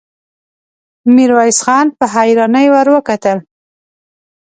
ميرويس خان په حيرانۍ ور وکتل.